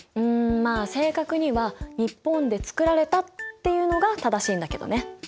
んまあ正確には日本で作られたっていうのが正しいんだけどね。